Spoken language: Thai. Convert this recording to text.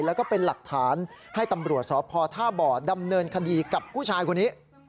แล้วก็เป็นหลักฐานให้ตำรวจสพท่าบ่อดำเนินคดีกับผู้ชายคนนี้